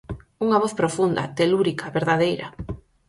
Unha voz profunda, telúrica, verdadeira.